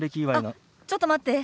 あっちょっと待って。